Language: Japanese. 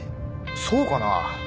そうかな？